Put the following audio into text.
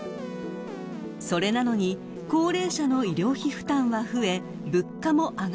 ［それなのに高齢者の医療費負担は増え物価も上がっています］